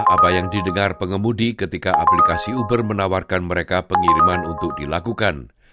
apa yang didengar pengemudi ketika aplikasi uber menawarkan mereka pengiriman untuk dilakukan